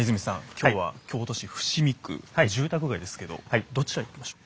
今日は京都市伏見区住宅街ですけどどちらに行きましょう？